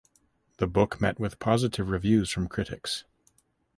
The book met with positive reviews from critics.